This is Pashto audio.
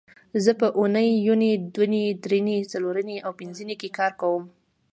زه په اونۍ یونۍ دونۍ درېنۍ څلورنۍ او پبنځنۍ کې کار کوم